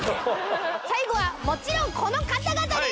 最後はもちろんこの方々です。